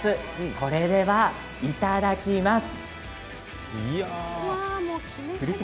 それでは、いただきます。